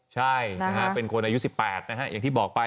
ใช่นะฮะเป็นคนอายุ๑๘นะฮะอย่างที่บอกไป